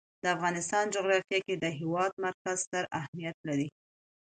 د افغانستان جغرافیه کې د هېواد مرکز ستر اهمیت لري.